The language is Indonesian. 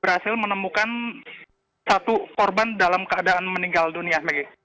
berhasil menemukan satu korban dalam keadaan meninggal dunia maggie